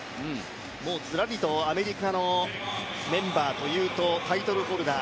ずらりとアメリカの、メンバーというとタイトルホルダー。